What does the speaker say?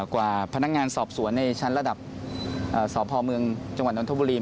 กว่าพนักงานสอบสวนในชั้นระดับสพเมืองจังหวัดนทบุรี